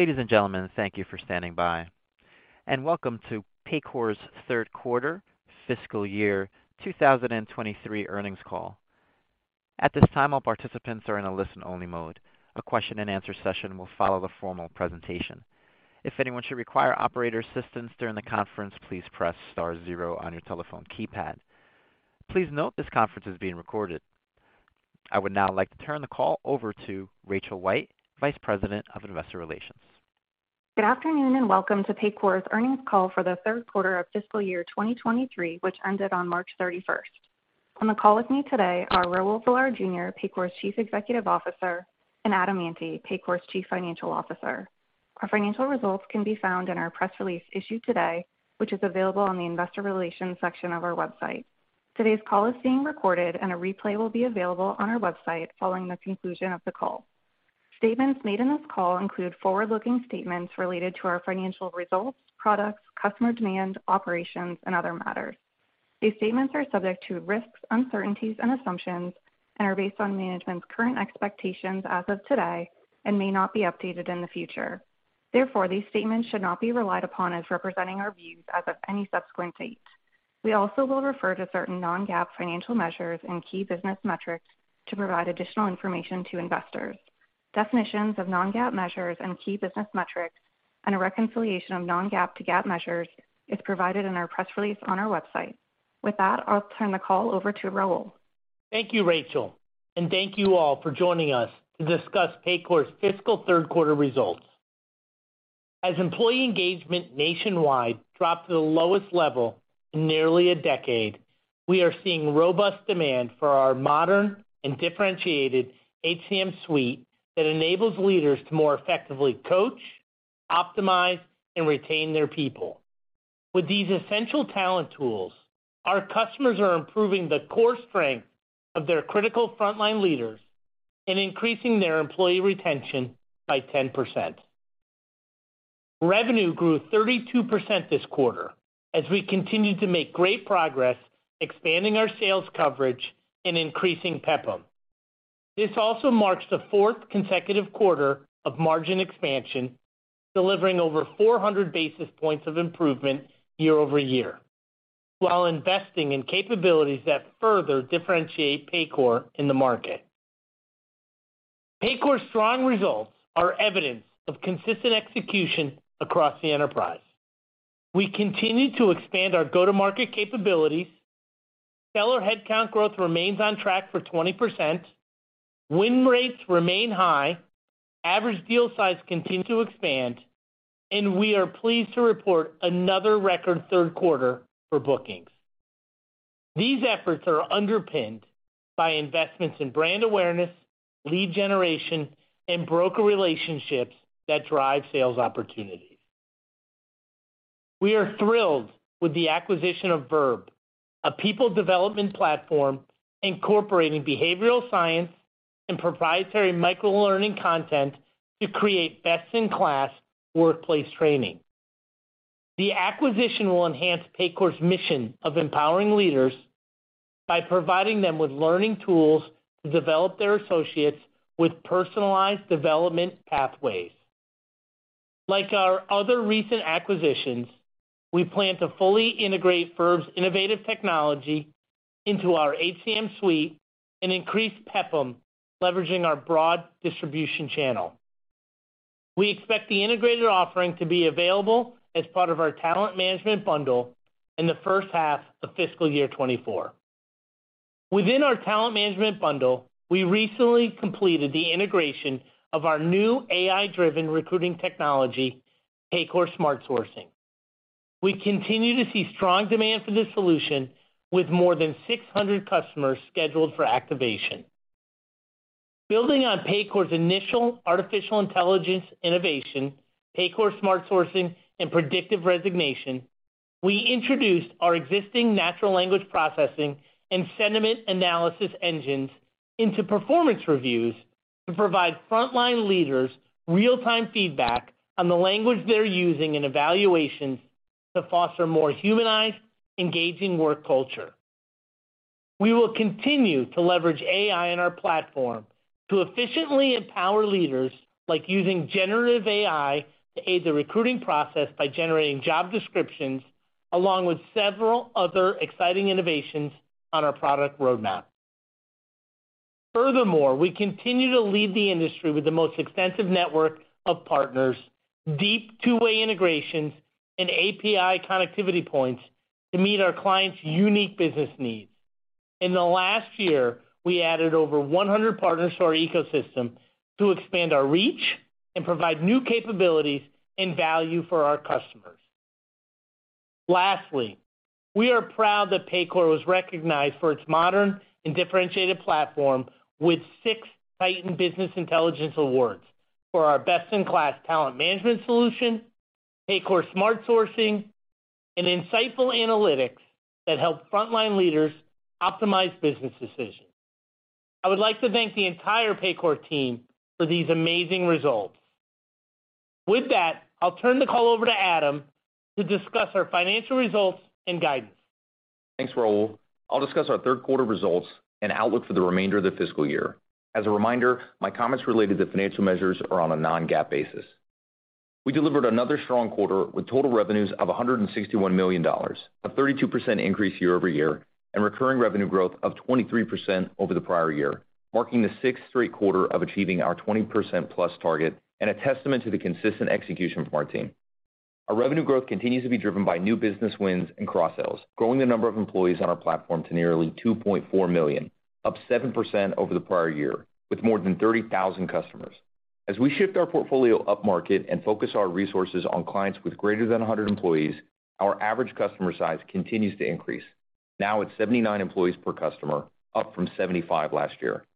Ladies and gentlemen, thank you for standing by, and welcome to Paycor's third quarter fiscal year 2023 earnings call. At this time, all participants are in a listen-only mode. A question and answer session will follow the formal presentation. If anyone should require operator assistance during the conference, please press star zero on your telephone keypad. Please note this conference is being recorded. I would now like to turn the call over to Rachel White, Vice President of Investor Relations. Good afternoon, welcome to Paycor's earnings call for the third quarter of fiscal year 2023, which ended on March 31st. On the call with me today are Raul Villar, Jr., Paycor's Chief Executive Officer, and Adam Ante, Paycor's Chief Financial Officer. Our financial results can be found in our press release issued today, which is available on the investor relations section of our website. Today's call is being recorded, a replay will be available on our website following the conclusion of the call. Statements made in this call include forward-looking statements related to our financial results, products, customer demand, operations, and other matters. These statements are subject to risks, uncertainties and assumptions and are based on management's current expectations as of today and may not be updated in the future. Therefore, these statements should not be relied upon as representing our views as of any subsequent date. We also will refer to certain non-GAAP financial measures and key business metrics to provide additional information to investors. Definitions of non-GAAP measures and key business metrics and a reconciliation of non-GAAP to GAAP measures is provided in our press release on our website. With that, I'll turn the call over to Raul. Thank you, Rachel. Thank you all for joining us to discuss Paycor's fiscal third quarter results. As employee engagement nationwide dropped to the lowest level in nearly a decade, we are seeing robust demand for our modern and differentiated HCM suite that enables leaders to more effectively coach, optimize, and retain their people. With these essential talent tools, our customers are improving the core strength of their critical frontline leaders and increasing their employee retention by 10%. Revenue grew 32% this quarter as we continued to make great progress expanding our sales coverage and increasing PEPM. This also marks the fourth consecutive quarter of margin expansion, delivering over 400 basis points of improvement YoY, while investing in capabilities that further differentiate Paycor in the market. Paycor's strong results are evidence of consistent execution across the enterprise. We continue to expand our go-to-market capabilities. Seller headcount growth remains on track for 20%. Win rates remain high. Average deal size continue to expand, and we are pleased to report another record third quarter for bookings. These efforts are underpinned by investments in brand awareness, lead generation, and broker relationships that drive sales opportunities. We are thrilled with the acquisition of Verb, a people development platform incorporating behavioral science and proprietary microlearning content to create best-in-class workplace training. The acquisition will enhance Paycor's mission of empowering leaders by providing them with learning tools to develop their associates with personalized development pathways. Like our other recent acquisitions, we plan to fully integrate Verb's innovative technology into our HCM suite and increase PEPM, leveraging our broad distribution channel. We expect the integrated offering to be available as part of our talent management bundle in the first half of fiscal year 2024. Within our talent management bundle, we recently completed the integration of our new AI-driven recruiting technology, Paycor Smart Sourcing. We continue to see strong demand for this solution with more than 600 customers scheduled for activation. Building on Paycor's initial artificial intelligence innovation, Paycor Smart Sourcing and Predictive Resignation, we introduced our existing natural language processing and sentiment analysis engines into performance reviews to provide frontline leaders real-time feedback on the language they're using in evaluations to foster more humanized, engaging work culture. We will continue to leverage AI in our platform to efficiently empower leaders, like using generative AI to aid the recruiting process by generating job descriptions along with several other exciting innovations on our product roadmap. We continue to lead the industry with the most extensive network of partners, deep two-way integrations, and API connectivity points to meet our clients' unique business needs. In the last year, we added over 100 partners to our ecosystem to expand our reach and provide new capabilities and value for our customers. Lastly, we are proud that Paycor was recognized for its modern and differentiated platform with six Titan Business Intelligence awards for our best-in-class talent management solution, Paycor Smart Sourcing, and insightful analytics that help frontline leaders optimize business decisions. I would like to thank the entire Paycor team for these amazing results. With that, I'll turn the call over to Adam to discuss our financial results and guidance. Thanks, Raul. I'll discuss our third quarter results and outlook for the remainder of the fiscal year. As a reminder, my comments related to financial measures are on a non-GAAP basis. We delivered another strong quarter with total revenues of $161 million, a 32% increase YoY, and recurring revenue growth of 23% over the prior year, marking the sixth straight quarter of achieving our 20%+ target and a testament to the consistent execution from our team. Our revenue growth continues to be driven by new business wins and cross sales, growing the number of employees on our platform to nearly 2.4 million, up 7% over the prior year, with more than 30,000 customers. As we shift our portfolio upmarket and focus our resources on clients with greater than 100 employees, our average customer size continues to increase. Now it's 79 employees per customer, up from 75 last year.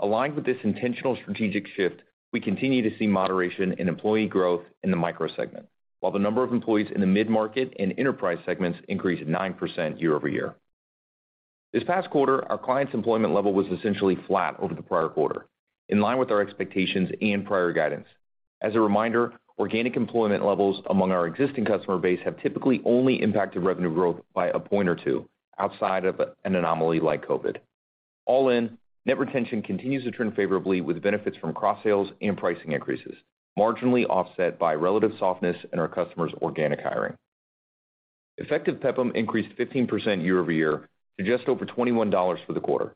Aligned with this intentional strategic shift, we continue to see moderation in employee growth in the micro segment, while the number of employees in the mid-market and enterprise segments increased 9% YoY. This past quarter, our client's employment level was essentially flat over the prior quarter, in line with our expectations and prior guidance. As a reminder, organic employment levels among our existing customer base have typically only impacted revenue growth by a point or two outside of an anomaly like COVID. Net retention continues to trend favorably with benefits from cross sales and pricing increases, marginally offset by relative softness in our customers' organic hiring. Effective PEPM increased 15% YoY to just over $21 for the quarter.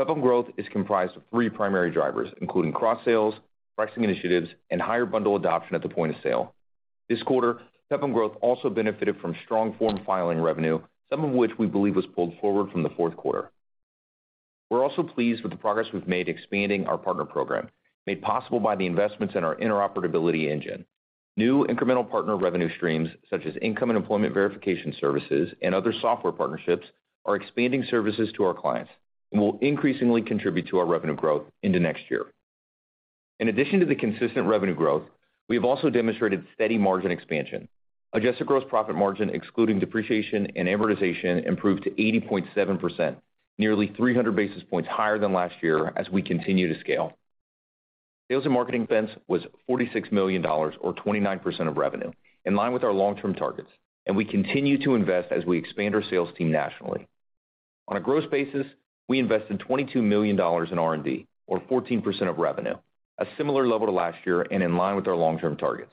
PEPM growth is comprised of three primary drivers, including cross sales, pricing initiatives, and higher bundle adoption at the point of sale. This quarter, PEPM growth also benefited from strong form filing revenue, some of which we believe was pulled forward from the 4th quarter. We're also pleased with the progress we've made expanding our partner program, made possible by the investments in our interoperability engine. New incremental partner revenue streams such as income and employment verification services and other software partnerships are expanding services to our clients, and will increasingly contribute to our revenue growth into next year. In addition to the consistent revenue growth, we have also demonstrated steady margin expansion. Adjusted gross profit margin, excluding depreciation and amortization, improved to 80.7%, nearly 300 basis points higher than last year as we continue to scale. Sales and marketing expense was $46 million or 29% of revenue, in line with our long-term targets, and we continue to invest as we expand our sales team nationally. On a gross basis, we invested $22 million in R&D or 14% of revenue, a similar level to last year and in line with our long-term targets.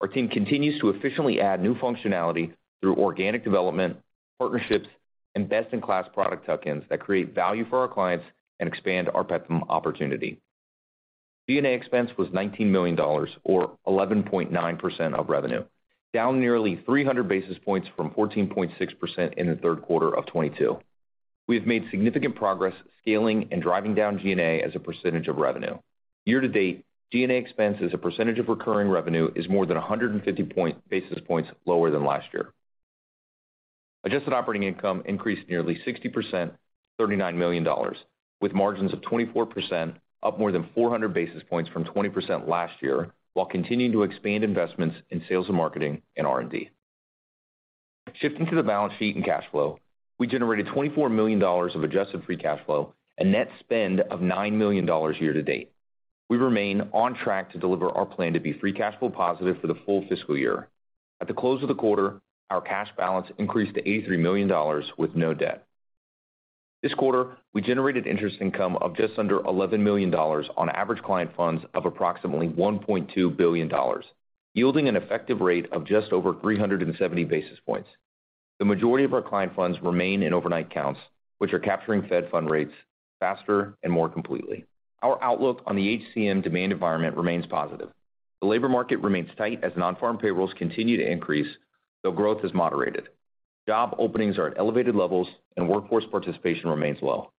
Our team continues to efficiently add new functionality through organic development, partnerships, and best-in-class product tuck-ins that create value for our clients and expand our PEPM opportunity. G&A expense was $19 million or 11.9% of revenue, down nearly 300 basis points from 14.6% in the third quarter of 2022. We have made significant progress scaling and driving down G&A as a percentage of revenue. Year-to-date, G&A expense as a percentage of recurring revenue is more than 150 basis points lower than last year. Adjusted operating income increased nearly 60% to $39 million with margins of 24% up more than 400 basis points from 20% last year, while continuing to expand investments in sales and marketing and R&D. Shifting to the balance sheet and cash flow, we generated $24 million of adjusted free cash flow and net spend of $9 million year-to-date. We remain on track to deliver our plan to be free cash flow positive for the full fiscal year. At the close of the quarter, our cash balance increased to $83 million with no debt. This quarter, we generated interest income of just under $11 million on average client funds of approximately $1.2 billion, yielding an effective rate of just over 370 basis points. The majority of our client funds remain in overnight accounts, which are capturing Fed funds rates faster and more completely. Our outlook on the HCM demand environment remains positive. The labor market remains tight as non-farm payrolls continue to increase, though growth has moderated. Job openings are at elevated levels and workforce participation remains low.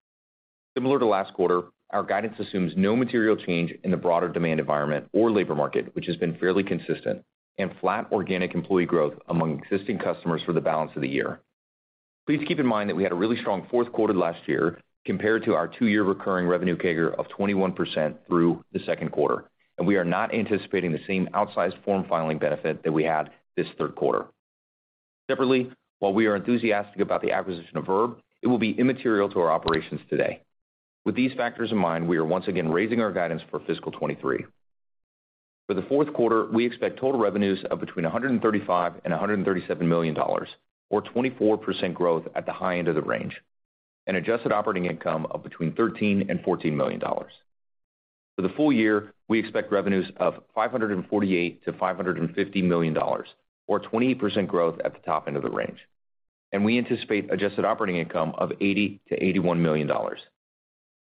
Similar to last quarter, our guidance assumes no material change in the broader demand environment or labor market, which has been fairly consistent, and flat organic employee growth among existing customers for the balance of the year. Please keep in mind that we had a really strong fourth quarter last year compared to our two year recurring revenue CAGR of 21% through the second quarter. We are not anticipating the same outsized form filing benefit that we had this third quarter. Separately, while we are enthusiastic about the acquisition of Verb, it will be immaterial to our operations today. With these factors in mind, we are once again raising our guidance for fiscal 2023. For the fourth quarter, we expect total revenues of between $135 million - $137 million or 24% growth at the high end of the range. Adjusted operating income of between $13 million - $14 million. For the full year, we expect revenues of $548 million-$550 million or 20% growth at the top end of the range. We anticipate adjusted operating income of $80 million-$81 million.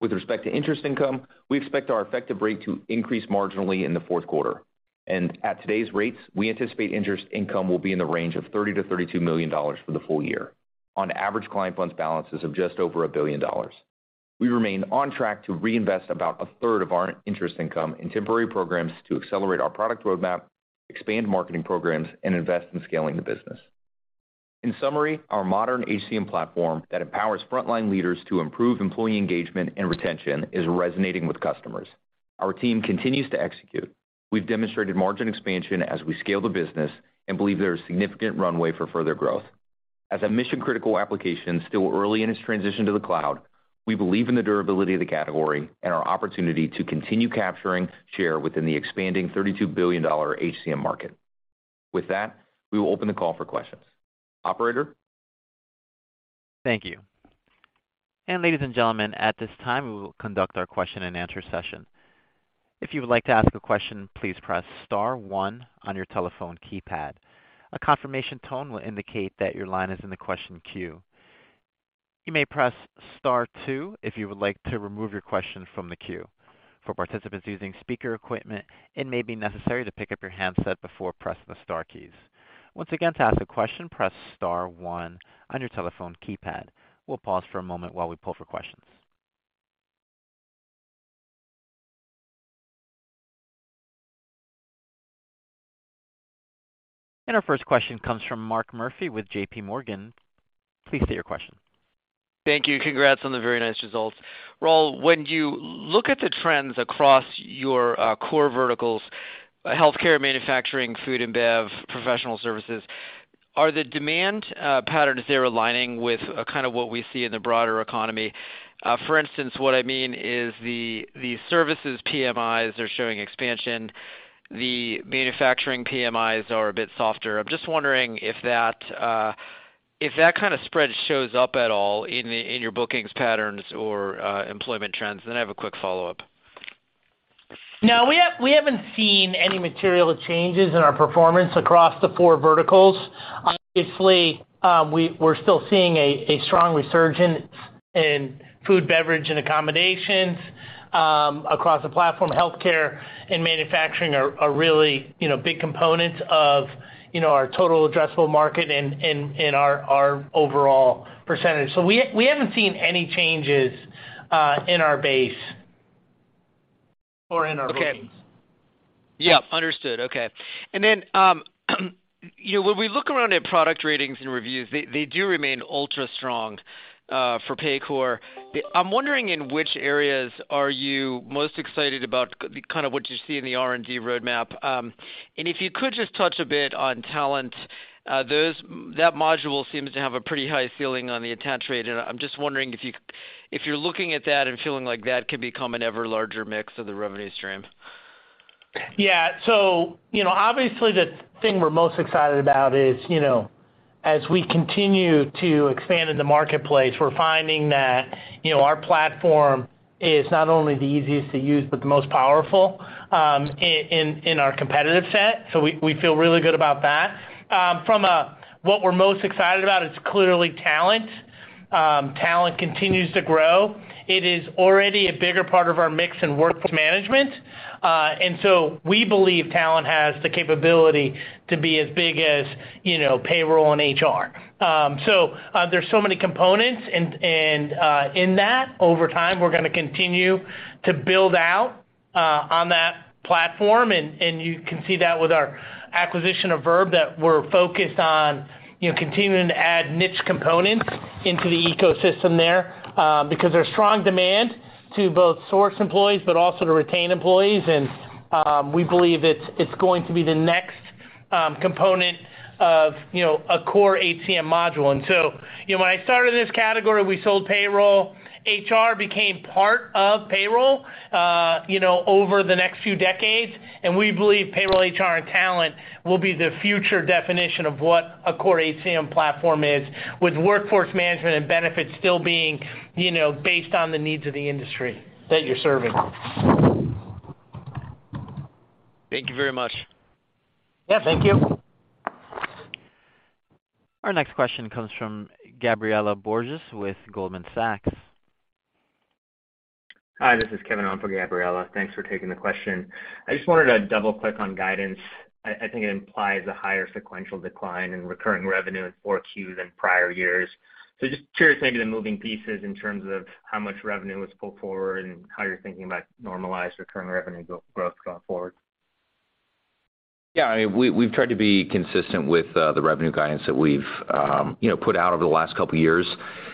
With respect to interest income, we expect our effective rate to increase marginally in the fourth quarter. At today's rates, we anticipate interest income will be in the range of $30 million-$32 million for the full year on average client funds balances of just over $1 billion. We remain on track to reinvest about a third of our interest income in temporary programs to accelerate our product roadmap, expand marketing programs, and invest in scaling the business. In summary, our modern HCM platform that empowers frontline leaders to improve employee engagement and retention is resonating with customers. Our team continues to execute. We've demonstrated margin expansion as we scale the business and believe there is significant runway for further growth. As a mission-critical application still early in its transition to the cloud, we believe in the durability of the category and our opportunity to continue capturing share within the expanding $32 billion HCM market. We will open the call for questions. Operator? Thank you. Ladies and gentlemen, at this time, we will conduct our question and answer session. If you would like to ask a question, please press star one on your telephone keypad. A confirmation tone will indicate that your line is in the question queue. You may press star two if you would like to remove your question from the queue. For participants using speaker equipment, it may be necessary to pick up your handset before pressing the star keys. Once again, to ask a question, press star one on your telephone keypad. We'll pause for a moment while we pull for questions. Our first question comes from Mark Murphy with JP Morgan. Please state your question. Thank you. Congrats on the very nice results. Raul, when you look at the trends across your core verticals, healthcare, manufacturing, food and bev, professional services, are the demand patterns there aligning with kind of what we see in the broader economy? For instance, what I mean is the services PMIs are showing expansion, the manufacturing PMIs are a bit softer. I'm just wondering if that if that kind of spread shows up at all in your bookings patterns or employment trends. I have a quick follow-up. No, we haven't seen any material changes in our performance across the four verticals. Obviously, we're still seeing a strong resurgence in food, beverage, and accommodations across the platform. Healthcare and manufacturing are really, you know, big components of, you know, our total addressable market and our overall percentage. We haven't seen any changes in our base or in our bookings. Okay. Yeah, understood. Okay. You know, when we look around at product ratings and reviews, they do remain ultra strong for Paycor. I'm wondering in which areas are you most excited about kind of what you see in the R&D roadmap? If you could just touch a bit on talent, that module seems to have a pretty high ceiling on the attach rate, and I'm just wondering if you, if you're looking at that and feeling like that could become an ever larger mix of the revenue stream? Yeah. you know, obviously, the thing we're most excited about is, you know, as we continue to expand in the marketplace, we're finding that, you know, our platform is not only the easiest to use, but the most powerful, in our competitive set. We feel really good about that. From a what we're most excited about, it's clearly talent. Talent continues to grow. It is already a bigger part of our mix in workforce management. We believe talent has the capability to be as big as, you know, payroll and HR. There's so many components and, in that. Over time, we're gonna continue to build out on that platform, and you can see that with our acquisition of Verb, that we're focused on, you know, continuing to add niche components into the ecosystem there, because there's strong demand to both source employees but also to retain employees. We believe it's going to be the next component of, you know, a core HCM module. You know, when I started in this category, we sold payroll. HR became part of payroll, you know, over the next few decades. We believe payroll, HR, and talent will be the future definition of what a core HCM platform is, with workforce management and benefits still being, you know, based on the needs of the industry that you're serving. Thank you very much. Yeah. Thank you. Our next question comes from Gabriela Borges with Goldman Sachs. Hi, this is Kevin on for Gabriela. Thanks for taking the question. I just wanted to double-click on guidance. I think it implies a higher sequential decline in recurring revenue in 4Q than prior years. Just curious maybe the moving pieces in terms of how much revenue was pulled forward and how you're thinking about normalized recurring revenue growth going forward. I mean, we've tried to be consistent with the revenue guidance that we've, you know, put out over the last couple years.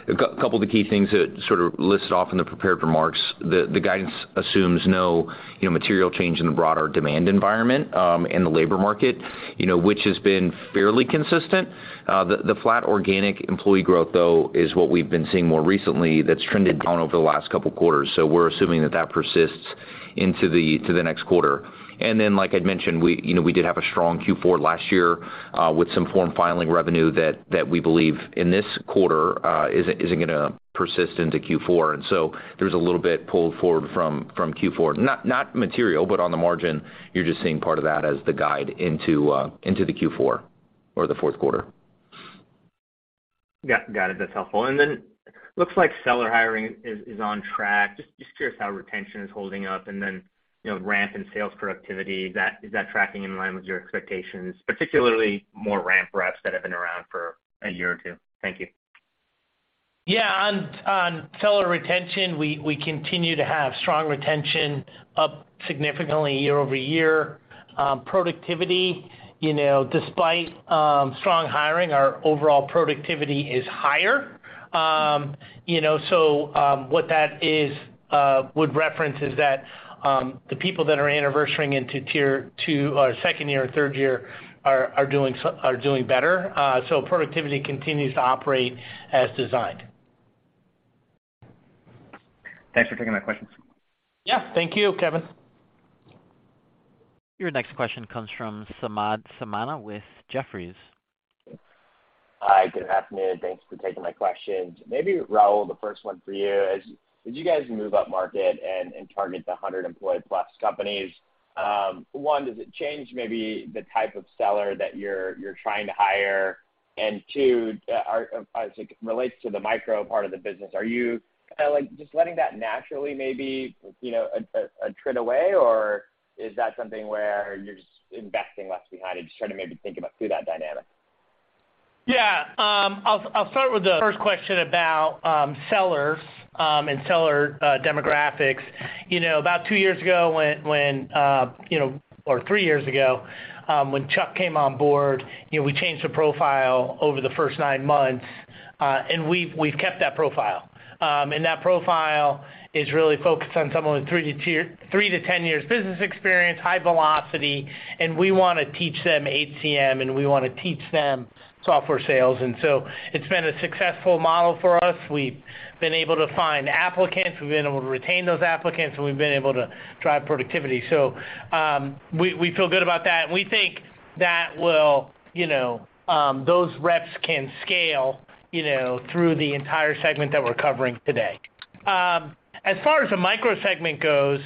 A couple of the key things that sort of list off in the prepared remarks, the guidance assumes no, you know, material change in the broader demand environment in the labor market, you know, which has been fairly consistent. The flat organic employee growth, though, is what we've been seeing more recently that's trended down over the last two quarters. We're assuming that that persists into the next quarter. Like I'd mentioned, we, you know, we did have a strong Q4 last year with some form filing revenue that we believe in this quarter isn't gonna persist into Q4. There's a little bit pulled forward from Q4. Not material, but on the margin, you're just seeing part of that as the guide into the Q4 or the fourth quarter. Got it. That's helpful. Looks like seller hiring is on track. Just curious how retention is holding up. You know, ramp and sales productivity, is that tracking in line with your expectations, particularly more ramp reps that have been around for a year or two? Thank you. Yeah. On seller retention, we continue to have strong retention up significantly YoY. Productivity, you know, despite strong hiring, our overall productivity is higher. You know, what that is would reference is that the people that are anniversarying into tier two or second year or third year are doing better. Productivity continues to operate as designed. Thanks for taking my questions. Yeah. Thank you, Kevin. Your next question comes from Samad Samana with Jefferies. Hi, good afternoon. Thanks for taking my questions. Maybe Raul, the first one for you is, did you guys move up market and target the 100 employee+ companies? One, does it change maybe the type of seller that you're trying to hire? Two, as it relates to the micro part of the business, are you kinda like just letting that naturally maybe, you know, trend away, or is that something where you're just investing less behind and just trying to maybe think about through that dynamic? Yeah. I'll start with the first question about sellers and seller demographics. You know, about two years ago, when, you know, or three years ago, when Chuck came on board, you know, we changed the profile over the first nine months, and we've kept that profile. That profile is really focused on someone with three to 10 years business experience, high velocity, and we wanna teach them HCM, and we wanna teach them software sales. It's been a successful model for us. We've been able to find applicants, we've been able to retain those applicants, and we've been able to drive productivity. We feel good about that, and we think that will, you know, those reps can scale, you know, through the entire segment that we're covering today. As far as the micro segment goes,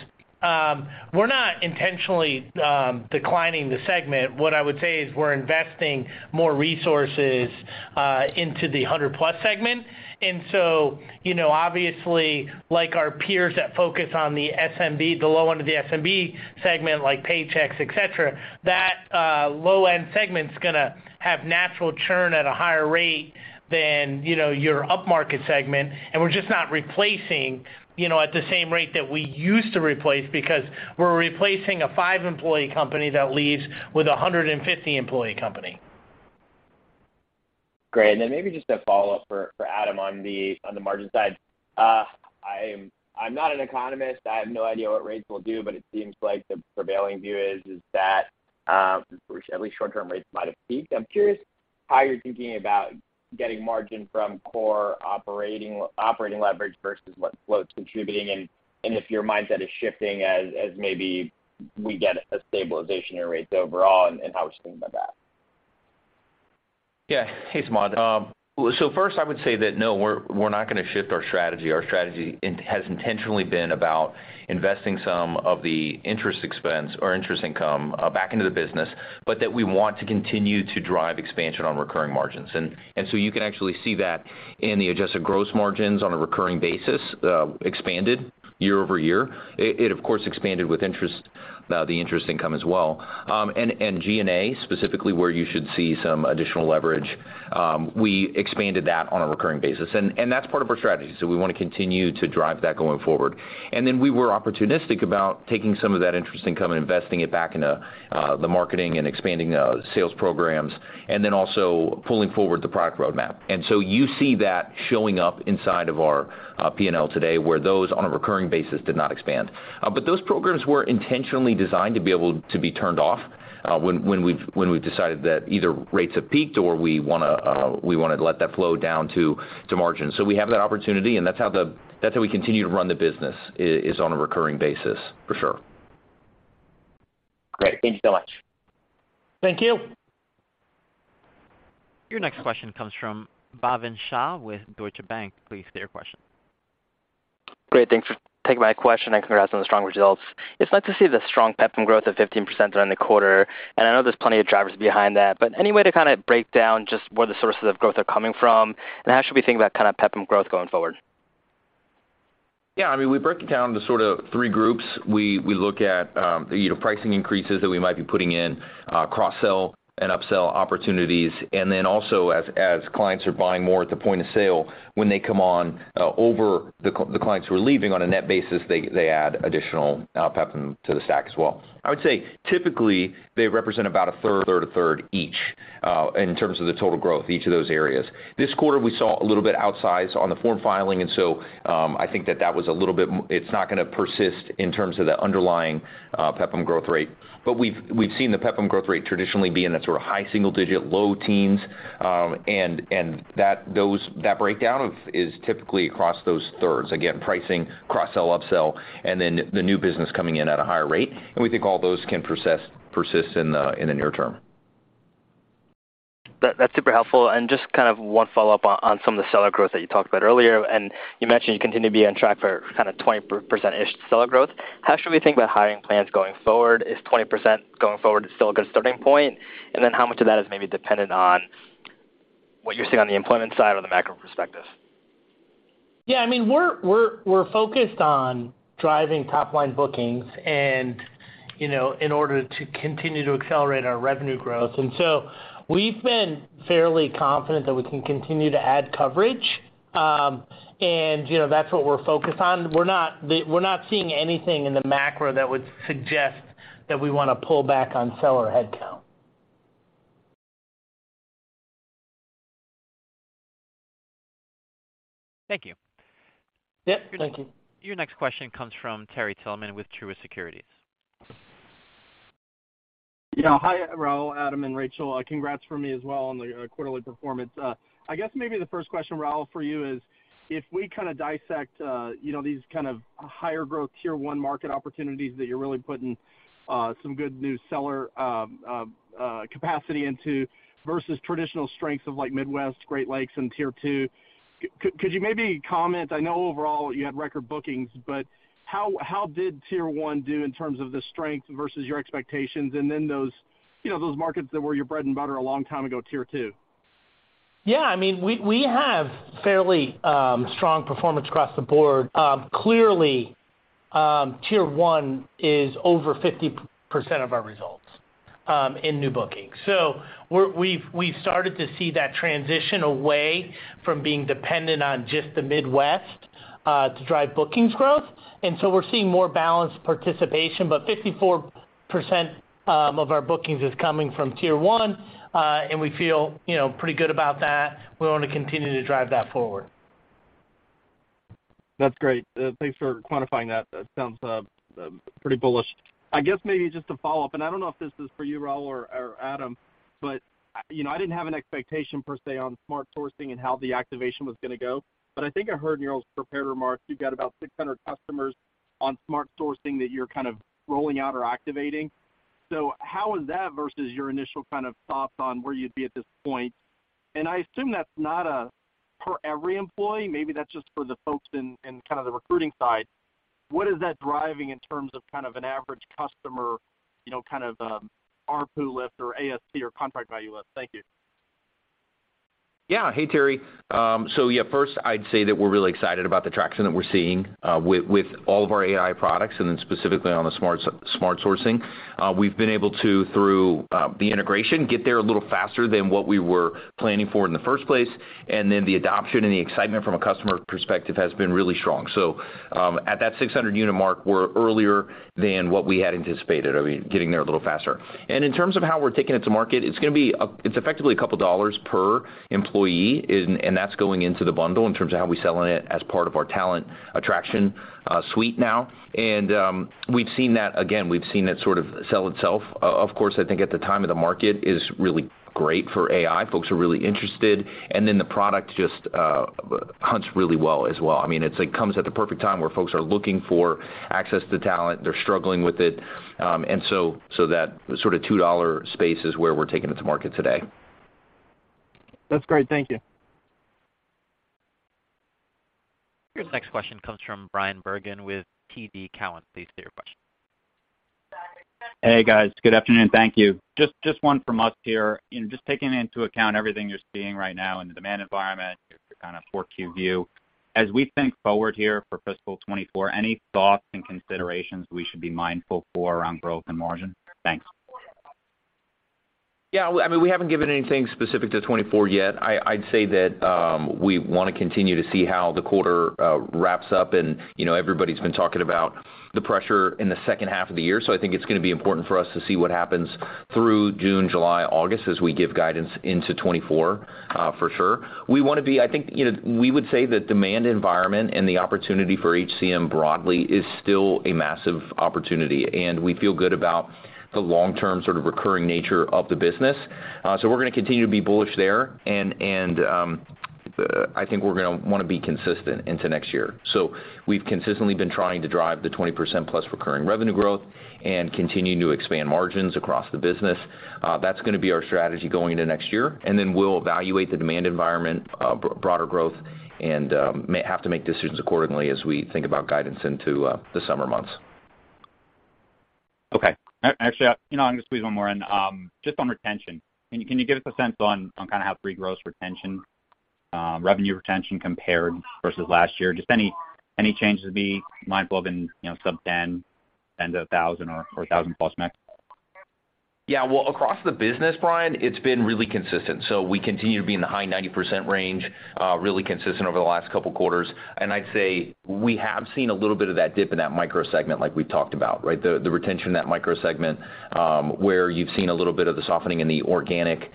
we're not intentionally declining the segment. What I would say is we're investing more resources into the 100+ segment. You know, obviously, like our peers that focus on the SMB, the low end of the SMB segment, like Paychex, etc., that low-end segment's gonna have natural churn at a higher rate than, you know, your up-market segment. We're just not replacing, you know, at the same rate that we used to replace because we're replacing a 5-employee company that leaves with a 150-employee company. Great. Then maybe just a follow-up for Adam on the margin side. I'm not an economist. I have no idea what rates will do, but it seems like the prevailing view is that at least short-term rates might have peaked. I'm curious how you're thinking about getting margin from core operating leverage versus what float's contributing and if your mindset is shifting as maybe we get a stabilization in rates overall, and how we should think about that. Yeah. Hey, Samad. First, I would say that no, we're not gonna shift our strategy. Our strategy has intentionally been about investing some of the interest expense or interest income back into the business, but that we want to continue to drive expansion on recurring margins. You can actually see that in the adjusted gross margins on a recurring basis, expanded YoY. It, of course, expanded with interest, the interest income as well. G&A, specifically where you should see some additional leverage, we expanded that on a recurring basis. That's part of our strategy. We wanna continue to drive that going forward. We were opportunistic about taking some of that interest income and investing it back into the marketing and expanding sales programs, and then also pulling forward the product roadmap. You see that showing up inside of our P&L today, where those on a recurring basis did not expand. Those programs were intentionally designed to be able to be turned off when we've decided that either rates have peaked or we wanna let that flow down to margin. We have that opportunity, and that's how we continue to run the business is on a recurring basis, for sure. Great. Thank you so much. Thank you. Your next question comes from Bhavin Shah with Deutsche Bank. Please state your question. Great. Thanks for taking my question, congrats on the strong results. It's nice to see the strong PEPPM growth of 15% during the quarter, and I know there's plenty of drivers behind that, but any way to kinda break down just where the sources of growth are coming from, and how should we think about kind of PEPPM growth going forward? Yeah, I mean, we break it down into sort of three groups. We look at, you know, pricing increases that we might be putting in, cross-sell and up-sell opportunities. Also as clients are buying more at the point of sale, when they come on, over the clients who are leaving on a net basis, they add additional PEPPM to the stack as well. I would say typically they represent about a third each, in terms of the total growth, each of those areas. This quarter, we saw a little bit outsize on the form filing. I think that that was a little bit it's not gonna persist in terms of the underlying PEPPM growth rate. We've seen the PEPPM growth rate traditionally be in that sort of high single-digit, low teens. That breakdown of is typically across those thirds, again, pricing, cross-sell, up-sell, and then the new business coming in at a higher rate. We think all those can persist in the near term. That's super helpful. Just kind of one follow-up on some of the seller growth that you talked about earlier. You mentioned you continue to be on track for kind of 20% seller growth. How should we think about hiring plans going forward? Is 20% going forward still a good starting point? How much of that is maybe dependent on what you're seeing on the employment side or the macro perspective? Yeah, I mean, we're focused on driving top-line bookings and, you know, in order to continue to accelerate our revenue growth. We've been fairly confident that we can continue to add coverage. You know, that's what we're focused on. We're not seeing anything in the macro that would suggest that we wanna pull back on seller headcount. Thank you. Yeah. Thank you. Your next question comes from Terry Tillman with Truist Securities. Yeah. Hi, Raul, Adam, and Rachel. Congrats from me as well on the quarterly performance. I guess maybe the first question, Raul, for you is if we kinda dissect, you know, these kind of higher growth tier one market opportunities that you're really putting some good new seller capacity into versus traditional strengths of like Midwest, Great Lakes and tier two, could you maybe comment? I know overall you had record bookings, but how did tier one do in terms of the strength versus your expectations and then those, you know, those markets that were your bread and butter a long time ago, tier two? Yeah. I mean, we have fairly strong performance across the board. Clearly, tier one is over 50% of our results in new bookings. We've started to see that transition away from being dependent on just the Midwest to drive bookings growth. We're seeing more balanced participation, but 54% of our bookings is coming from tier one, we feel, you know, pretty good about that. We wanna continue to drive that forward. That's great. Thanks for quantifying that. That sounds pretty bullish. I guess maybe just to follow up, I don't know if this is for you, Raul or Adam, but, you know, I didn't have an expectation per se on Smart Sourcing and how the activation was gonna go. I think I heard in your prepared remarks, you've got about 600 customers on Smart Sourcing that you're kind of rolling out or activating. How is that versus your initial kind of thoughts on where you'd be at this point? I assume that's not for every employee, maybe that's just for the folks in kind of the recruiting side. What is that driving in terms of kind of an average customer, you know, kind of ARPU lift or ACV or contract value lift? Thank you. Yeah. Hey, Terry. First I'd say that we're really excited about the traction that we're seeing with all of our AI products. Specifically on the Smart Sourcing, we've been able to, through the integration, get there a little faster than what we were planning for in the first place, and then the adoption and the excitement from a customer perspective has been really strong. At that 600 unit mark, we're earlier than what we had anticipated. I mean, getting there a little faster. In terms of how we're taking it to market, it's effectively $2 per employee and that's going into the bundle in terms of how we're selling it as part of our talent attraction suite now. We've seen that. We've seen that sort of sell itself. Of course, I think at the time of the market is really great for AI. Folks are really interested, the product just hunts really well as well. I mean, it's like comes at the perfect time where folks are looking for access to talent, they're struggling with it. That sort of 2$ space is where we're taking it to market today. That's great. Thank you. Your next question comes from Bryan Bergin with TD Cowen. Please state your question. Hey, guys. Good afternoon. Thank you. Just one from us here. You know, just taking into account everything you're seeing right now in the demand environment, your kinda 4-Q view. As we think forward here for fiscal 2024, any thoughts and considerations we should be mindful for around growth and margin? Thanks. Yeah. I mean, we haven't given anything specific to 2024 yet. I'd say that we wanna continue to see how the quarter wraps up. You know, everybody's been talking about the pressure in the second half of the year, so I think it's gonna be important for us to see what happens through June, July, August as we give guidance into 2024 for sure. I think, you know, we would say the demand environment and the opportunity for HCM broadly is still a massive opportunity, and we feel good about the long-term sort of recurring nature of the business. We're gonna continue to be bullish there and I think we're gonna wanna be consistent into next year. We've consistently been trying to drive the 20%+ recurring revenue growth and continue to expand margins across the business. That's gonna be our strategy going into next year. We'll evaluate the demand environment, broader growth and may have to make decisions accordingly as we think about guidance into the summer months. Okay. actually, you know, I'm gonna squeeze one more in. Just on retention, can you give us a sense on kinda how free gross retention, revenue retention compared versus last year? Just any changes to be mindful of in, you know, sub-10, 10 - 1,000 or 1,000+ max? Yeah. Well, across the business, Brian, it's been really consistent. We continue to be in the high 90% range, really consistent over the last couple quarters. I'd say we have seen a little bit of that dip in that micro segment like we've talked about, right? The retention in that micro segment, where you've seen a little bit of the softening in the organic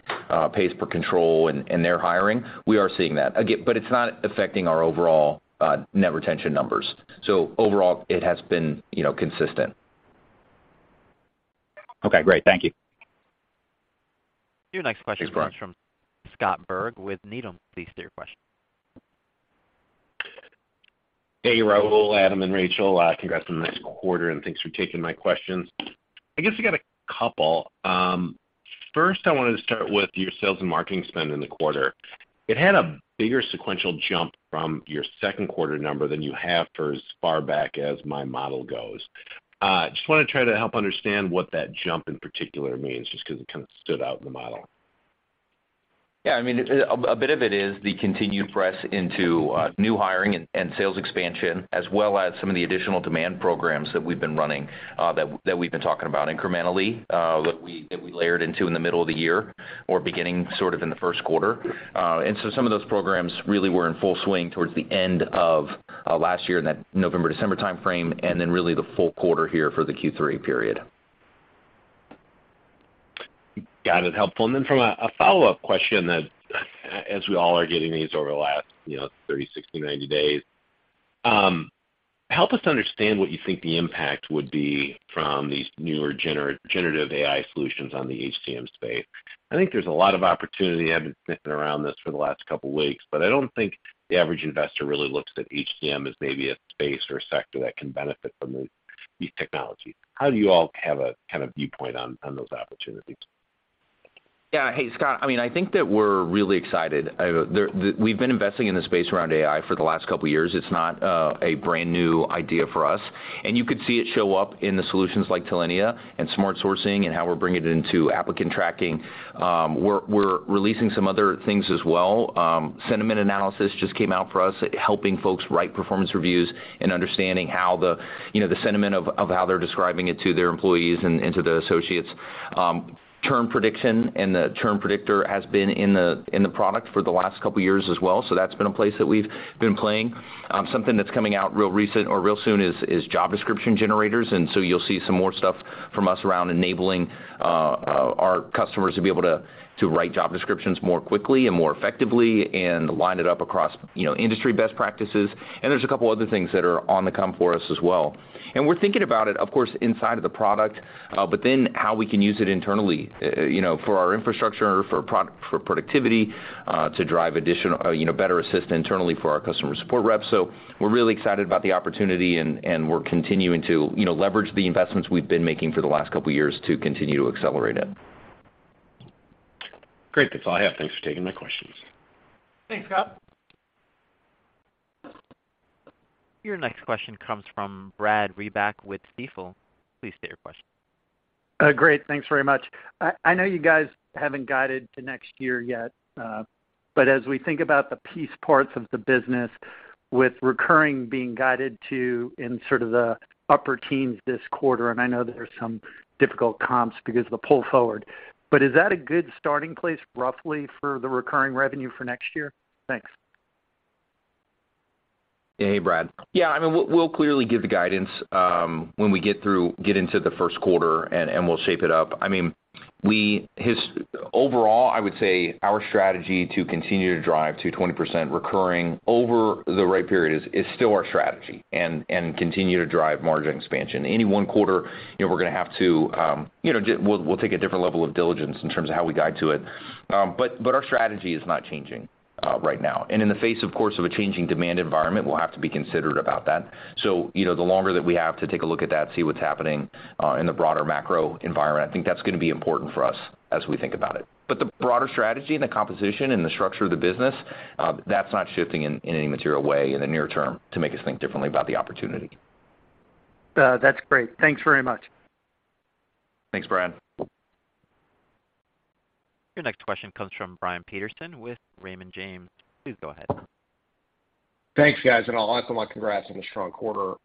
pays per control and their hiring. We are seeing that. Again, it's not affecting our overall net retention numbers. Overall, it has been, you know, consistent. Okay, great. Thank you. Your next question. Thanks, Brian. comes from Scott Berg with Needham. Please state your question. Hey, Raul, Adam, and Rachel. Congrats on a nice quarter, thanks for taking my questions. I guess I got a couple. First, I wanted to start with your sales and marketing spend in the quarter. It had a bigger sequential jump from your second quarter number than you have for as far back as my model goes. Just wanna try to help understand what that jump in particular means, just 'cause it kind of stood out in the model. Yeah. I mean, a bit of it is the continued press into new hiring and sales expansion, as well as some of the additional demand programs that we've been running, that we've been talking about incrementally, that we layered into in the middle of the year or beginning sort of in the first quarter. Some of those programs really were in full swing towards the end of last year in that November, December timeframe, and then really the full quarter here for the Q3 period. Got it. Helpful. Then from a follow-up question that as we all are getting these over the last, you know, 30, 60, 90 days. Help us understand what you think the impact would be from these newer generative AI solutions on the HCM space. I think there's a lot of opportunity. I've been sniffing around this for the last couple weeks, but I don't think the average investor really looks at HCM as maybe a space or sector that can benefit from these technologies. How do you all have a kind of viewpoint on those opportunities? Yeah. Hey, Scott. I mean, I think that we're really excited. We've been investing in the space around AI for the last couple years. It's not a brand new idea for us, and you could see it show up in the solutions like Talenya and Smart Sourcing and how we're bringing it into applicant tracking. We're releasing some other things as well. Sentiment analysis just came out for us, helping folks write performance reviews and understanding how the, you know, the sentiment of how they're describing it to their employees and to the associates. Term prediction and the term predictor has been in the product for the last couple years as well, so that's been a place that we've been playing. Something that's coming out real recent or real soon is job description generators. You'll see some more stuff from us around enabling our customers to be able to write job descriptions more quickly and more effectively and line it up across, you know, industry best practices. There's a couple other things that are on the come for us as well. We're thinking about it, of course, inside of the product, but then how we can use it internally, you know, for our infrastructure, for productivity, to drive, you know, better assist internally for our customer support reps. We're really excited about the opportunity and we're continuing to, you know, leverage the investments we've been making for the last couple years to continue to accelerate it. Great. That's all I have. Thanks for taking my questions. Thanks, Scott. Your next question comes from Brad Reback with Stifel. Please state your question. Great. Thanks very much. I know you guys haven't guided to next year yet, but as we think about the piece parts of the business with recurring being guided to in sort of the upper teens this quarter, and I know there's some difficult comps because of the pull forward, but is that a good starting place roughly for the recurring revenue for next year? Thanks. Hey, Brad. Yeah, I mean, we'll clearly give the guidance, when we get into the first quarter and we'll shape it up. Overall, I would say our strategy to continue to drive to 20% recurring over the right period is still our strategy and continue to drive margin expansion. Any one quarter, you know, we're gonna have to, you know, We'll take a different level of diligence in terms of how we guide to it. But our strategy is not changing right now. In the face, of course, of a changing demand environment, we'll have to be considered about that. You know, the longer that we have to take a look at that, see what's happening, in the broader macro environment, I think that's gonna be important for us as we think about it. The broader strategy and the composition and the structure of the business, that's not shifting in any material way in the near term to make us think differently about the opportunity. That's great. Thanks very much. Thanks, Brad. Your next question comes from Brian Peterson with Raymond James. Please go ahead. Thanks, guys. Also my congrats on the strong quarter.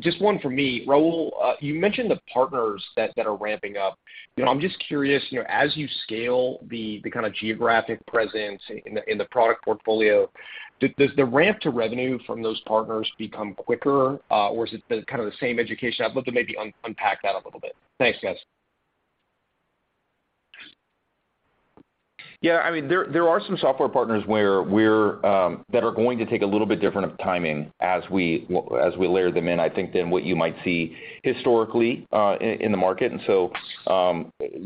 Just one for me. Raul, you mentioned the partners that are ramping up. You know, I'm just curious, you know, as you scale the kind of geographic presence in the product portfolio, does the ramp to revenue from those partners become quicker, or is it the kind of the same education? I'd love to maybe un-unpack that a little bit. Thanks, guys. Yeah, I mean, there are some software partners where we're that are going to take a little bit different of timing as we layer them in, I think, than what you might see historically, in the market. You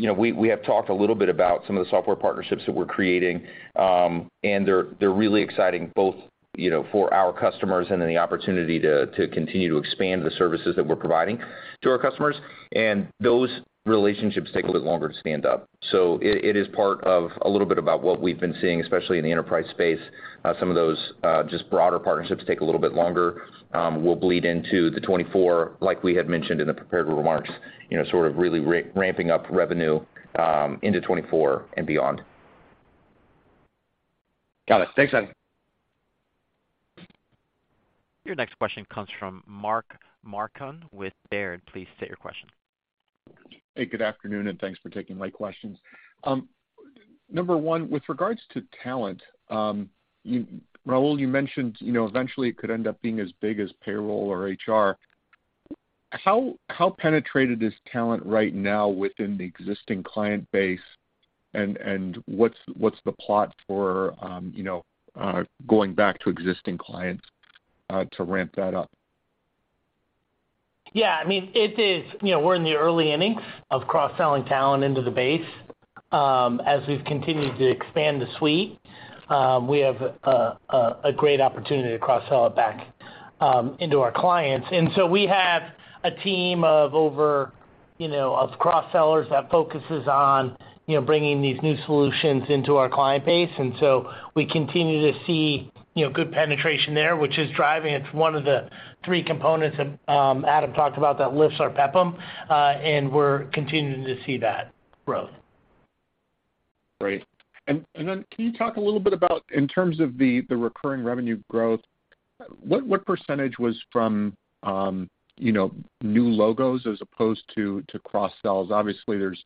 know, we have talked a little bit about some of the software partnerships that we're creating, and they're really exciting both, you know, for our customers and then the opportunity to continue to expand the services that we're providing to our customers. Those relationships take a little longer to stand up. It is part of a little bit about what we've been seeing, especially in the enterprise space. Some of those just broader partnerships take a little bit longer. We'll bleed into 2024, like we had mentioned in the prepared remarks, you know, sort of really ramping up revenue, into 2024 and beyond. Got it. Thanks, Adam. Your next question comes from Mark Marcon with Baird. Please state your question. Hey, good afternoon, and thanks for taking my questions. Number one, with regards to talent, Raul, you mentioned, you know, eventually it could end up being as big as payroll or HR. How penetrated is talent right now within the existing client base? What's the plot for, you know, going back to existing clients, to ramp that up? Yeah, I mean, it is. You know, we're in the early innings of cross-selling talent into the base. As we've continued to expand the suite, we have a great opportunity to cross-sell it back into our clients. We have a team of over, you know, of cross-sellers that focuses on, you know, bringing these new solutions into our client base. We continue to see, you know, good penetration there, which is driving. It's one of the three components that Adam talked about that lifts our PEPPM and we're continuing to see that growth. Great. Can you talk a little bit about in terms of the recurring revenue growth, what percentage was from, you know, new logos as opposed to cross-sells? Obviously, there's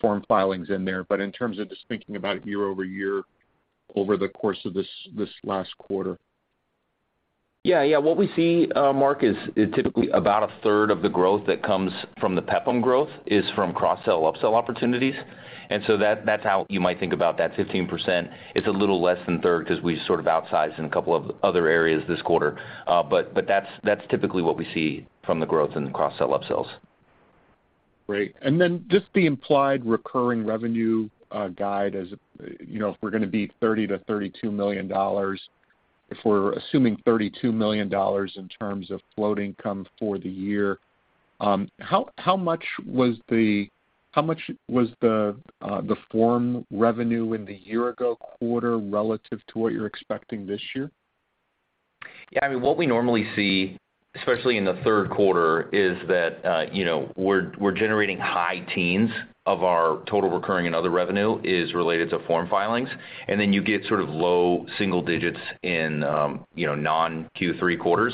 form filings in there, but in terms of just thinking about YoY over the course of this last quarter. Yeah, yeah. What we see, Mark, is typically about a third of the growth that comes from the PEPPM growth is from cross-sell, upsell opportunities. That's how you might think about that 15%. It's a little less than a third because we sort of outsized in a couple of other areas this quarter. But that's typically what we see from the growth in the cross-sell, upsells. Great. Just the implied recurring revenue guide as, you know, if we're gonna be $30 million-$32 million, if we're assuming $32 million in terms of floating come for the year, how much was the form revenue in the year ago quarter relative to what you're expecting this year? Yeah, I mean, what we normally see, especially in the third quarter, is that, you know, we're generating high teens of our total recurring and other revenue is related to form filings, and then you get sort of low single digits in, you know, non Q3 quarters.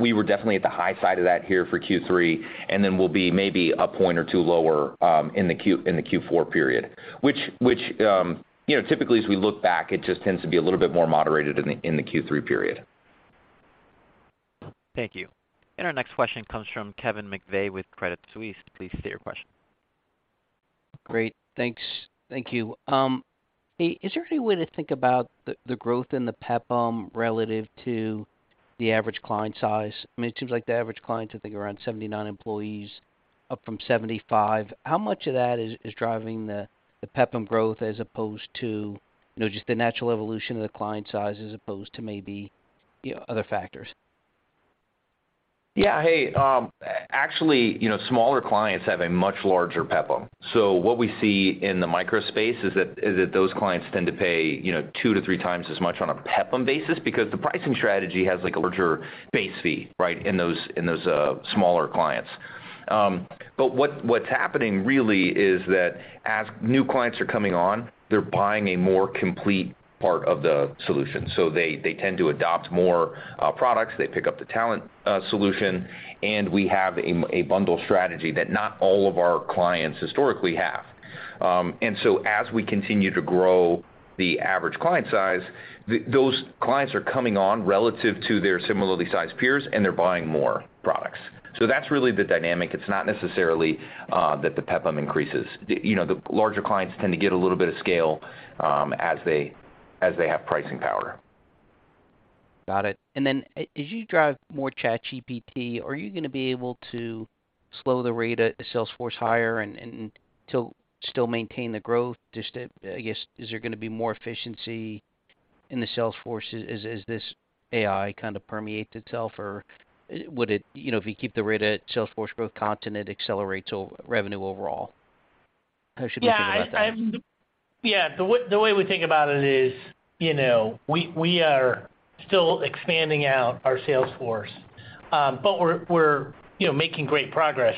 We were definitely at the high side of that here for Q3, and then we'll be maybe a point or two lower in the Q4 period. Which, you know, typically as we look back, it just tends to be a little bit more moderated in the Q3 period. Thank you. Our next question comes from Kevin McVeigh with Credit Suisse. Please state your question. Great. Thanks. Thank you. Is there any way to think about the growth in the PEPPM relative to the average client size? I mean, it seems like the average client, I think, around 79 employees, up from 75. How much of that is driving the PEPPM growth as opposed to, you know, just the natural evolution of the client size as opposed to maybe, you know, other factors? Yeah. Hey, actually, you know, smaller clients have a much larger PEPPM. What we see in the micro space is that those clients tend to pay, you know, 2 to 3 times as much on a PEPPM basis because the pricing strategy has, like, a larger base fee, right, in those smaller clients. But what's happening really is that as new clients are coming on, they're buying a more complete part of the solution. They, they tend to adopt more, products. They pick up the talent, solution, and we have a bundle strategy that not all of our clients historically have. As we continue to grow the average client size, those clients are coming on relative to their similarly sized peers, and they're buying more products. That's really the dynamic. It's not necessarily that the PEPPM increases. You know, the larger clients tend to get a little bit of scale, as they have pricing power. Got it. As you drive more ChatGPT, are you gonna be able to slow the rate of sales force hire and to still maintain the growth? I guess, is there gonna be more efficiency in the sales force as this AI kind of permeates itself? You know, if you keep the rate at sales force growth constant, it accelerates revenue overall? How should we think about that? Yeah. The way we think about it is, you know, we are still expanding out our sales force, but we're, you know, making great progress.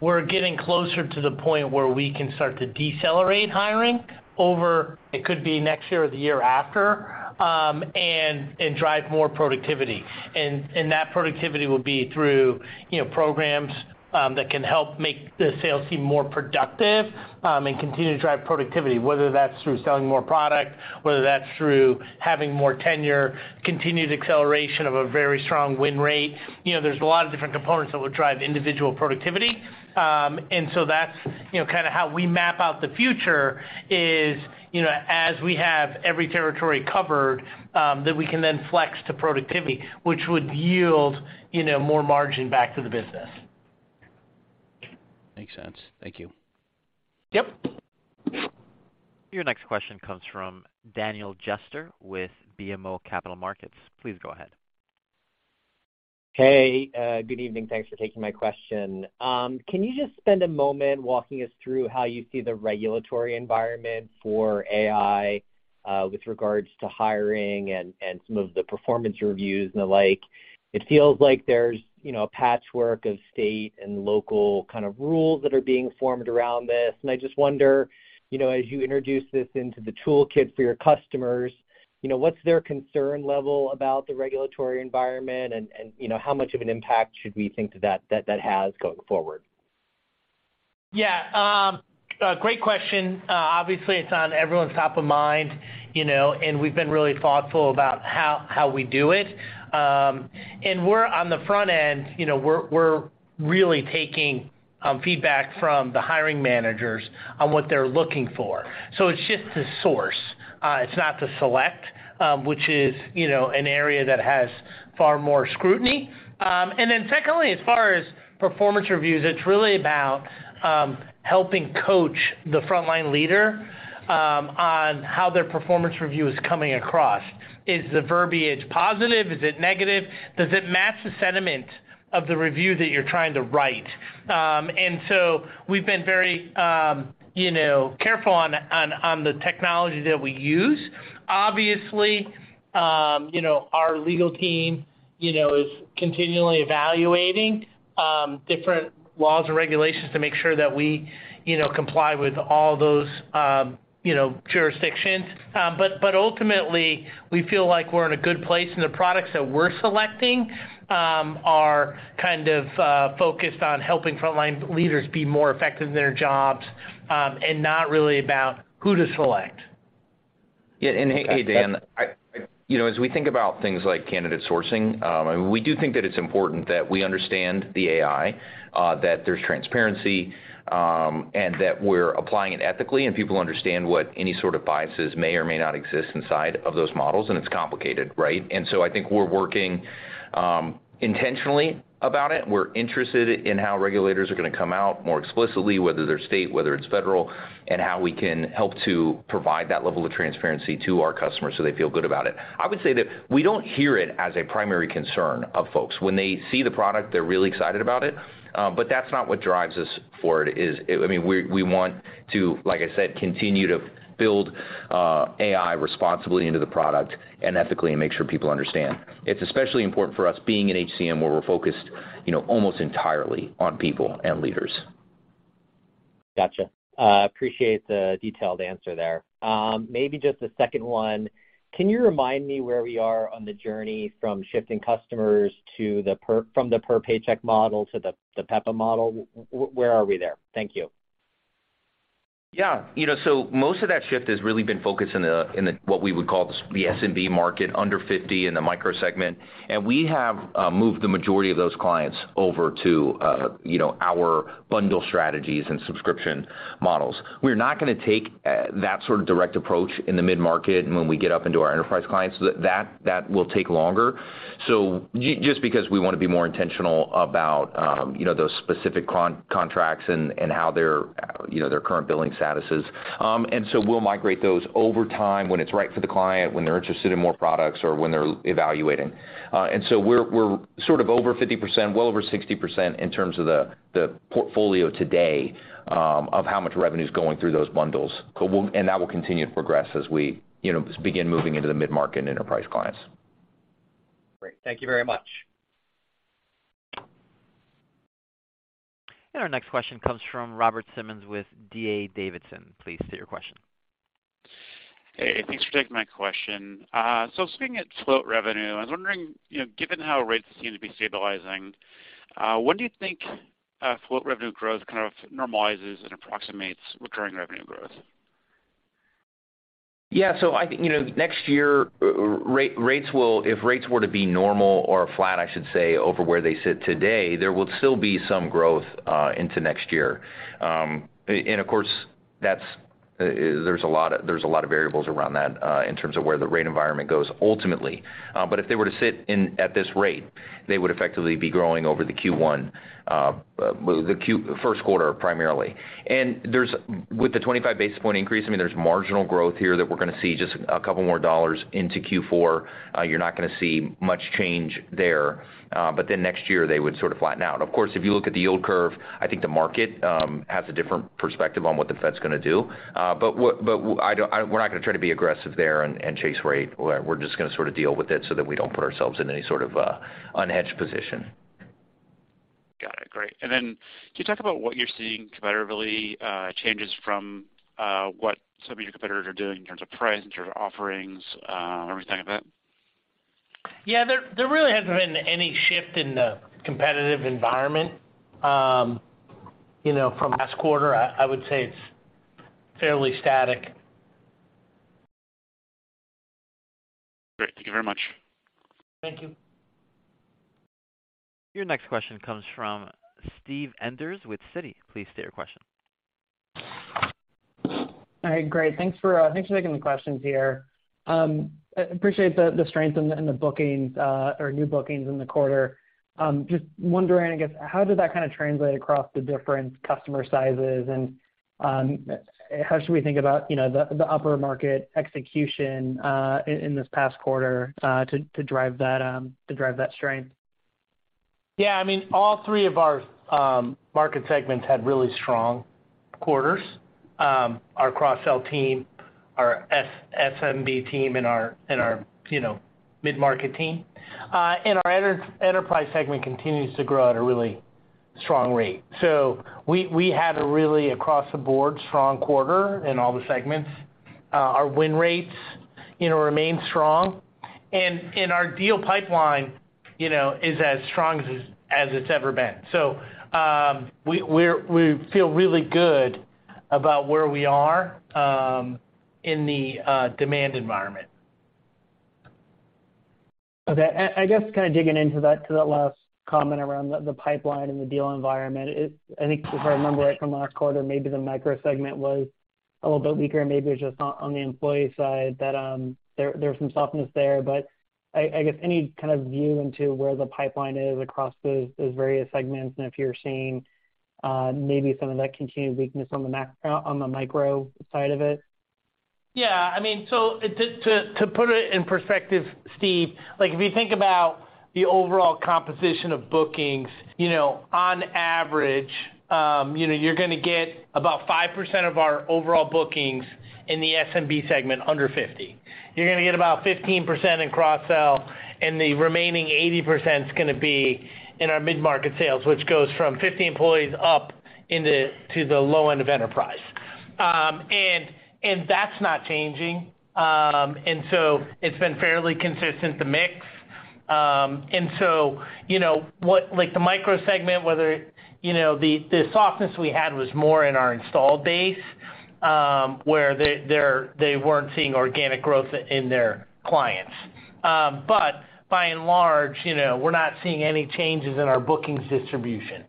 We're getting closer to the point where we can start to decelerate hiring over, it could be next year or the year after, and drive more productivity. That productivity will be through, you know, programs that can help make the sales team more productive, and continue to drive productivity, whether that's through selling more product, whether that's through having more tenure, continued acceleration of a very strong win rate. You know, there's a lot of different components that will drive individual productivity. That's, you know, kind of how we map out the future is, you know, as we have every territory covered, that we can then flex to productivity, which would yield, you know, more margin back to the business. Makes sense. Thank you. Yep. Your next question comes from Daniel Jester with BMO Capital Markets. Please go ahead. Hey. good evening. Thanks for taking my question. can you just spend a moment walking us through how you see the regulatory environment for AI with regards to hiring and some of the performance reviews and the like? It feels like there's, you know, a patchwork of state and local kind of rules that are being formed around this. I just wonder, you know, as you introduce this into the toolkit for your customers, you know, what's their concern level about the regulatory environment and, you know, how much of an impact should we think that has going forward? Yeah. A great question. Obviously, it's on everyone's top of mind, you know, and we've been really thoughtful about how we do it. We're on the front end, you know, we're really taking feedback from the hiring managers on what they're looking for. It's just the source, it's not the select, which is, you know, an area that has far more scrutiny. Then secondly, as far as performance reviews, it's really about helping coach the frontline leader on how their performance review is coming across. Is the verbiage positive? Is it negative? Does it match the sentiment of the review that you're trying to write? We've been very, you know, careful on the technology that we use. Obviously, you know, our legal team, you know, is continually evaluating, different laws and regulations to make sure that we, you know, comply with all those, you know, jurisdictions. Ultimately, we feel like we're in a good place, and the products that we're selecting, are kind of, focused on helping frontline leaders be more effective in their jobs, and not really about who to select. Yeah. Hey, Dan, you know, as we think about things like candidate sourcing, and we do think that it's important that we understand the AI, that there's transparency, and that we're applying it ethically, and people understand what any sort of biases may or may not exist inside of those models. It's complicated, right? So I think we're working intentionally about it, we're interested in how regulators are gonna come out more explicitly, whether they're state, whether it's federal, and how we can help to provide that level of transparency to our customers so they feel good about it. I would say that we don't hear it as a primary concern of folks. When they see the product, they're really excited about it, that's not what drives us forward, is... I mean, we want to, like I said, continue to build AI responsibly into the product and ethically and make sure people understand. It's especially important for us being an HCM, where we're focused, you know, almost entirely on people and leaders. Gotcha. Appreciate the detailed answer there. Maybe just a second one. Can you remind me where we are on the journey from shifting customers from the per paycheck model to the PEPM model? Where are we there? Thank you. Yeah. You know, most of that shift has really been focused in the, what we would call the SMB market, under 50 in the micro segment. We have moved the majority of those clients over to, you know, our bundle strategies and subscription models. We're not gonna take that sort of direct approach in the mid-market and when we get up into our enterprise clients. That will take longer, just because we wanna be more intentional about, you know, those specific contracts and how their, you know, their current billing status is. We'll migrate those over time when it's right for the client, when they're interested in more products or when they're evaluating. We're sort of over 50%, well over 60% in terms of the portfolio today of how much revenue's going through those bundles. That will continue to progress as we, you know, begin moving into the mid-market enterprise clients. Great. Thank you very much. Our next question comes from Robert Simmons with D.A. Davidson. Please state your question. Hey, thanks for taking my question. Speaking of float revenue, I was wondering, you know, given how rates seem to be stabilizing, when do you think float revenue growth kind of normalizes and approximates recurring revenue growth? Yeah. I think, you know, next year rates will. If rates were to be normal or flat, I should say, over where they sit today, there will still be some growth into next year. Of course, that's. There's a lot of variables around that in terms of where the rate environment goes ultimately. If they were to sit in at this rate, they would effectively be growing over the Q1, well, the first quarter primarily. With the 25 basis point increase, I mean, there's marginal growth here that we're gonna see just a couple more dollars into Q4. You're not gonna see much change there. Next year, they would sort of flatten out. Of course, if you look at the yield curve, I think the market has a different perspective on what the Fed's gonna do. We're not gonna try to be aggressive there and chase rate. We're just gonna sort of deal with it so that we don't put ourselves in any sort of unhedged position. Got it. Great. Can you talk about what you're seeing competitively, changes from, what some of your competitors are doing in terms of price, in terms of offerings, everything like that? Yeah. There really hasn't been any shift in the competitive environment, you know, from last quarter. I would say it's fairly static. Great. Thank you very much. Thank you. Your next question comes from Steve Enders with Citi. Please state your question. All right, great. Thanks for taking the questions here. Appreciate the strength in the bookings or new bookings in the quarter. Just wondering, I guess, how did that kind of translate across the different customer sizes and, how should we think about, you know, the upper market execution in this past quarter to drive that to drive that strength? Yeah, I mean, all three of our market segments had really strong quarters. Our cross-sell team, our SMB team and our, you know, mid-market team. Our enterprise segment continues to grow at a really strong rate. We had a really across the board strong quarter in all the segments. Our win rates, you know, remain strong. Our deal pipeline, you know, is as strong as it's ever been. We feel really good about where we are in the demand environment. Okay. I guess kind of digging into that, to that last comment around the pipeline and the deal environment is, I think if I remember it from last quarter, maybe the micro segment was a little bit weaker, and maybe it was just on the employee side that there was some softness there. I guess any kind of view into where the pipeline is across those various segments and if you're seeing maybe some of that continued weakness on the micro side of it? Yeah, I mean. To put it in perspective, Steve, like if you think about the overall composition of bookings, you know, on average, you know, you're gonna get about 5% of our overall bookings in the SMB segment under 50. You're gonna get about 15% in cross-sell, and the remaining 80% is gonna be in our mid-market sales, which goes from 50 employees up in the, to the low end of enterprise. That's not changing. It's been fairly consistent, the mix. You know, what. Like the micro segment, whether, you know, the softness we had was more in our installed base, where they're, they weren't seeing organic growth in their clients. By and large, you know, we're not seeing any changes in our bookings distribution.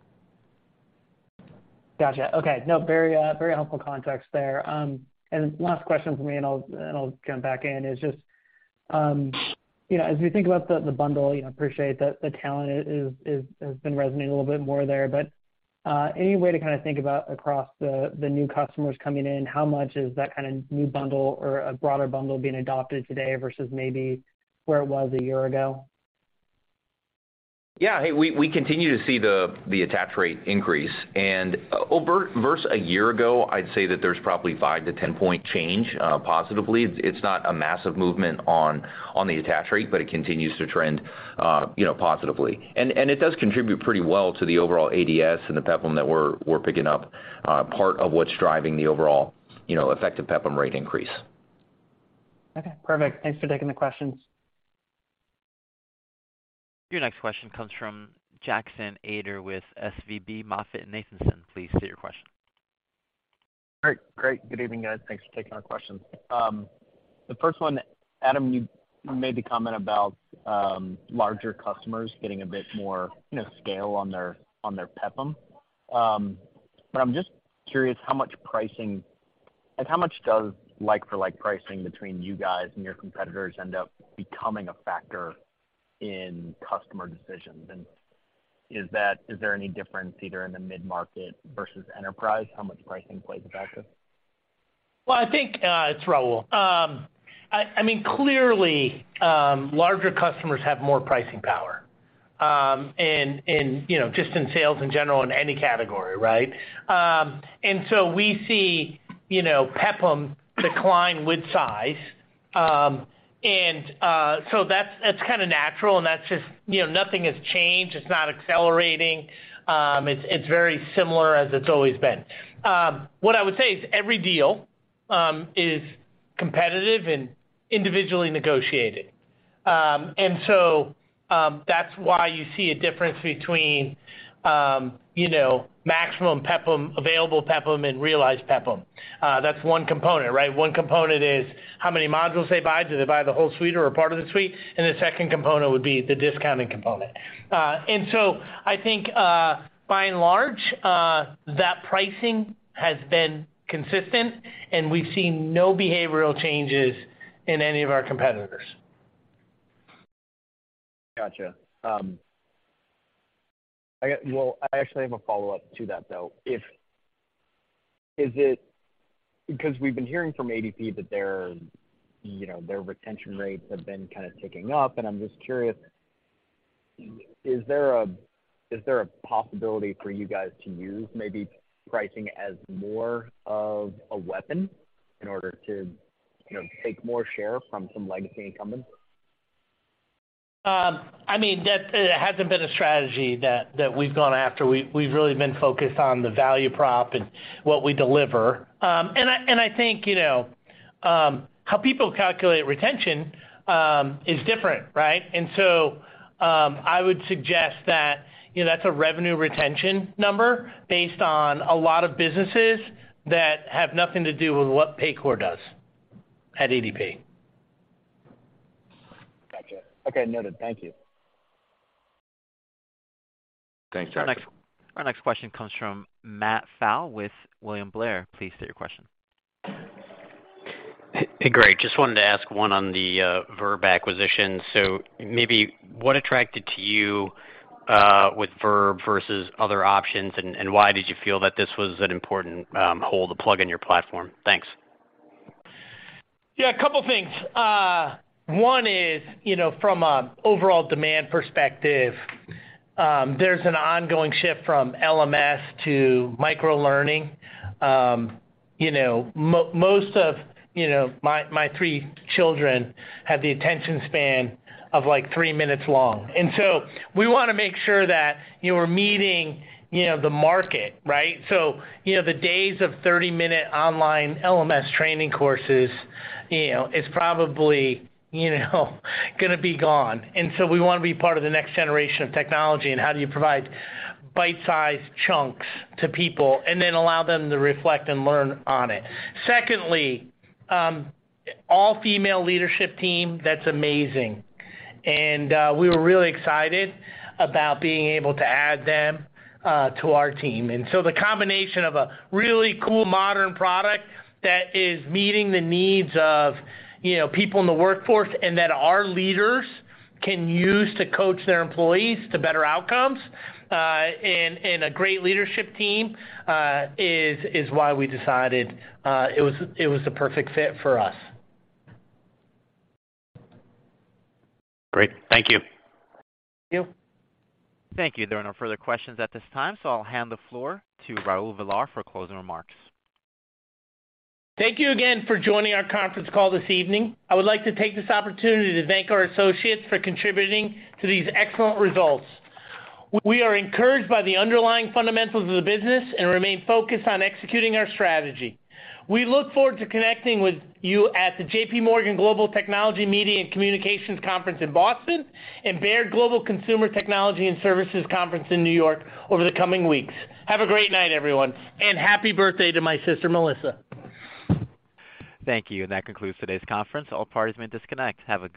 Gotcha. Okay. Very helpful context there. Last question for me, and I'll, and I'll jump back in, is just, you know, as we think about the bundle, you know, appreciate the talent has been resonating a little bit more there. Any way to kinda think about across the new customers coming in, how much is that kind of new bundle or a broader bundle being adopted today versus maybe where it was a year ago? Yeah. Hey, we continue to see the attach rate increase. Versus a year ago, I'd say that there's probably 5 - 10 point change positively. It's not a massive movement on the attach rate, but it continues to trend, you know, positively. It does contribute pretty well to the overall ADS and the PEPPM that we're picking up, part of what's driving the overall, you know, effective PEPPM rate increase. Okay, perfect. Thanks for taking the questions. Your next question comes from Jackson Ader with SVB MoffettNathanson. Please state your question. Great. Great. Good evening, guys. Thanks for taking our questions. The first one, Adam, you made the comment about larger customers getting a bit more, you know, scale on their PEPM. I'm just curious how much pricing, like how much does like for like pricing between you guys and your competitors end up becoming a factor in customer decisions? Is there any difference either in the mid-market versus enterprise, how much pricing plays a factor? Well, I think, it's Raul. I mean, clearly, larger customers have more pricing power, and, you know, just in sales in general in any category, right? So we see, you know, PEPPM decline with size. So that's kinda natural, and that's just. You know, nothing has changed. It's not accelerating. It's very similar as it's always been. What I would say is every deal, is competitive and individually negotiated. So, that's why you see a difference between, you know, maximum PEPPM, available PEPPM, and realized PEPPM. That's one component, right? One component is how many modules they buy. Do they buy the whole suite or a part of the suite? The second component would be the discounting component. I think, by and large, that pricing has been consistent, and we've seen no behavioural changes in any of our competitors. Gotcha. Well, I actually have a follow-up to that, though. Because we've been hearing from ADP that their, you know, their retention rates have been kinda ticking up, and I'm just curious, is there a possibility for you guys to use maybe pricing as more of a weapon in order to, you know, take more share from some legacy incumbents? I mean, that hasn't been a strategy that we've gone after. We've really been focused on the value prop and what we deliver. I think, you know, how people calculate retention is different, right? I would suggest that, you know, that's a revenue retention number based on a lot of businesses that have nothing to do with what Paycor does at ADP. Gotcha. Okay, noted. Thank you. Thanks, Jackson. Our next question comes from Matt Pfau with William Blair. Please state your question. Hey, great. Just wanted to ask one on the Verb acquisition. Maybe what attracted to you with Verb versus other options, and why did you feel that this was an important hole to plug in your platform? Thanks. Yeah, a couple things. One is, you know, from a overall demand perspective, there's an ongoing shift from LMS to microlearning. You know, most of, you know, my three children have the attention span of, like, three minutes long. We wanna make sure that, you know, we're meeting, you know, the market, right? You know, the days of 30-minute online LMS training courses, you know, is probably, you know, gonna be gone. We wanna be part of the next generation of technology and how do you provide bite-sized chunks to people and then allow them to reflect and learn on it. Secondly, all female leadership team, that's amazing. We were really excited about being able to add them to our team. The combination of a really cool modern product that is meeting the needs of, you know, people in the workforce and that our leaders can use to coach their employees to better outcomes, and a great leadership team, is why we decided, it was the perfect fit for us. Great. Thank you. Thank you. Thank you. There are no further questions at this time, so I'll hand the floor to Raul Villar for closing remarks. Thank you again for joining our conference call this evening. I would like to take this opportunity to thank our associates for contributing to these excellent results. We are encouraged by the underlying fundamentals of the business and remain focused on executing our strategy. We look forward to connecting with you at the J.P. Morgan Global Technology, Media and Communications Conference in Boston and Baird Global Consumer, Technology & Services Conference in New York over the coming weeks. Have a great night, everyone, and happy birthday to my sister, Melissa. Thank you. That concludes today's conference. All parties may disconnect. Have a good night.